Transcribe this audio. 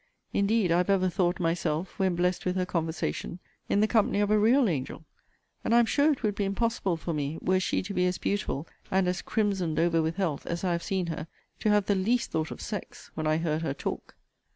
Indeed, I have ever thought myself, when blest with her conversation, in the company of a real angel: and I am sure it would be impossible for me, were she to be as beautiful, and as crimsoned over with health, as I have seen her, to have the least thought of sex, when I heard her talk.